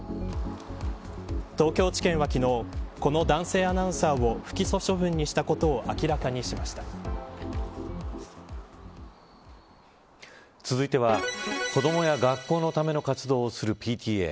東京地検は昨日この男性アナウンサーを不起訴処分にしたことを続いては子どもや学校のための活動をするＰＴＡ。